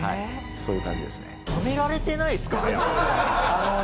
そういう感じですね。